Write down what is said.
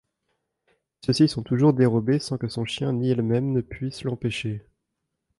Mais ceux-ci sont toujours dérobés sans que son chien ni elle-même ne puissent l'empêcher.